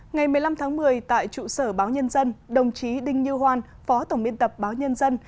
ngày một mươi năm tháng một mươi tại trụ sở báo nhân dân đồng chí đinh như hoan phó tổng biên tập báo nhân dân